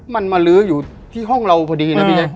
มันมาลื้ออยู่ที่ห้องเราพอดีนะพี่แจ๊